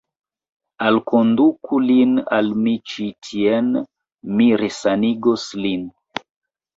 Alkonduku lin al mi ĉi tien; mi resanigos lin.